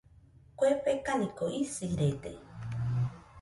Kue fekaniko isirede.